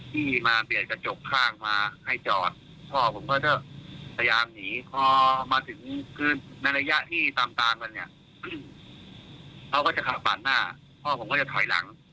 ที่มาเบียดกระจกข้างมาให้จอดพ่อผมก็จะพยายามหนีพอมาถึงคือในระยะที่ตามตามกันเนี่ยเขาก็จะขับปาดหน้าพ่อผมก็จะถอยหลัง